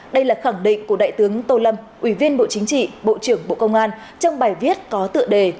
đây là khẳng định của đại tướng tô lâm ủy viên bộ chính trị bộ trưởng bộ công an trong bài viết có tựa đề